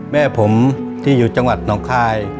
แม่ผมที่อยู่จังหวัดน้องคาย